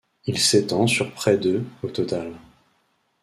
Il s'étend sur près de au total.